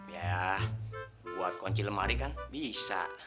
ya buat kunci lemari kan bisa